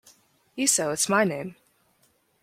Isou, it's my name!